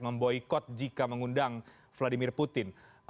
memboykot jika mengundang vladimir putin